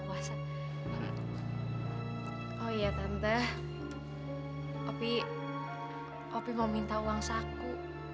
oh iya tanda opi meminta uang saku